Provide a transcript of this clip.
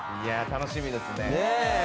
楽しみですね。